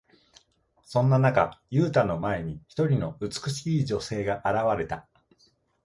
そんな中、ユウタの前に、一人の美しい女性が現れた。